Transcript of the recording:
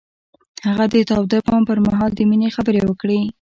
هغه د تاوده بام پر مهال د مینې خبرې وکړې.